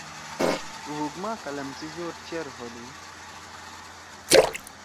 توہوگ ما قلم سی زور چیر ہودو۔